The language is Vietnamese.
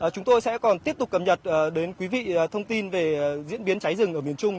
chúng tôi sẽ còn tiếp tục cập nhật đến quý vị thông tin về diễn biến cháy rừng ở miền trung